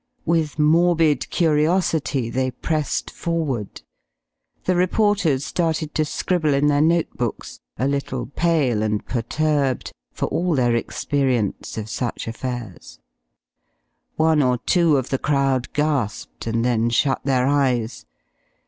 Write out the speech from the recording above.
With morbid curiosity they pressed forward. The reporters started to scribble in their note books, a little pale and perturbed, for all their experience of such affairs. One or two of the crowd gasped, and then shut their eyes.